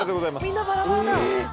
みんなバラバラだ。